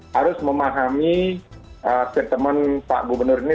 harus memahami statement pak gubernur ini